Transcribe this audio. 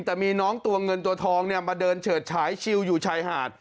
แต่มีน้องตัวเงินตัวทองมาเดินเฉิดฉายชิวอยู่ชายหาด